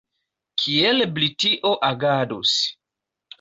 Kiel Britio agadus?